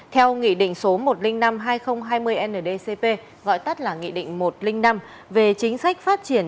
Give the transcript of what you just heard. theo nghị định số một trăm linh năm hai nghìn hai mươi ndcp gọi tắt là nghị định một trăm linh năm về chính sách phát triển